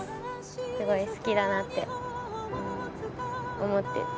すごい好きだなって思ってた